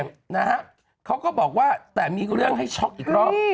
นะฮะเขาก็บอกว่าแต่มีเรื่องให้ช็อกอีกรอบ